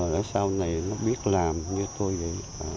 để sau này nó biết làm như tôi vậy